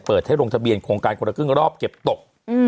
ให้ลงทะเบียนโครงการคนละครึ่งรอบเก็บตก